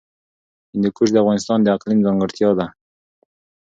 هندوکش د افغانستان د اقلیم ځانګړتیا ده.